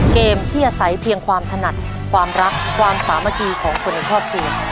เกมที่อาศัยเพียงความถนัดความรักความสามัคคีของคนในครอบครัว